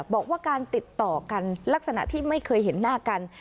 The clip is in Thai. บอกว่าการติดต่อกันลักษณะที่ไม่เคยเห็นหน้ากัน